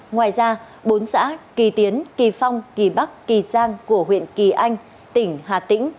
ngoài ra bốn xã kỳ tiến kỳ phong kỳ bắc kỳ giang của huyện kỳ anh tỉnh hà tĩnh